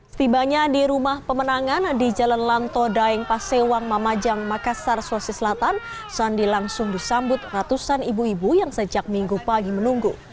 setibanya di rumah pemenangan di jalan lanto daeng pasewang mamajang makassar sulawesi selatan sandi langsung disambut ratusan ibu ibu yang sejak minggu pagi menunggu